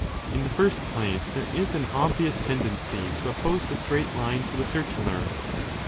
In the first place, there is an obvious tendency to oppose the straight line to the circular.